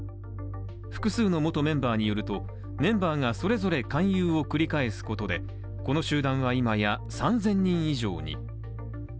複数の元メンバーによると、メンバーがそれぞれ勧誘を繰り返すことでこの集団はいまや３０００人以上に。